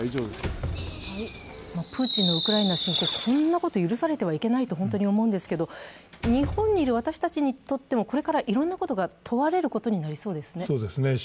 プーチンのウクライナ侵攻、こんなこと許されてはいけないと本当に思うんですけど日本にいる私たちにとってもこれからいろんなことが問われることになりそうですね。